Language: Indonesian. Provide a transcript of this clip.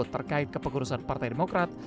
terkait kepegurusan partai demokrat